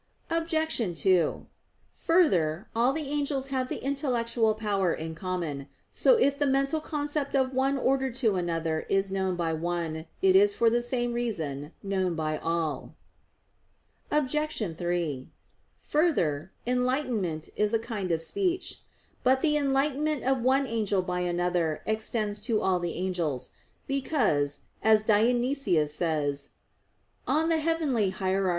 Obj. 2: Further, all the angels have the intellectual power in common. So if the mental concept of one ordered to another is known by one, it is for the same reason known by all. Obj. 3: Further, enlightenment is a kind of speech. But the enlightenment of one angel by another extends to all the angels, because, as Dionysius says (Coel. Hier.